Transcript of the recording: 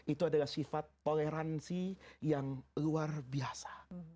itu adalah sifat toleransi yang luar biasa